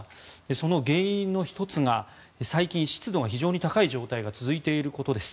その原因の１つが最近、湿度が非常に高い状態が続いていることです。